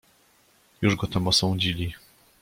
"Już go tam osądzili."